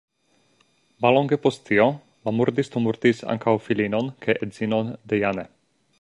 Mallonge post tio, la murdisto murdis ankaŭ filinon kaj edzinon de Jane.